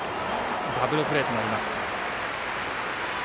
ダブルプレーとなります。